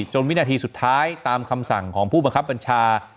วินาทีสุดท้ายตามคำสั่งของผู้บังคับบัญชา